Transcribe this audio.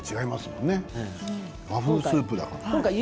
ものね和風スープだから。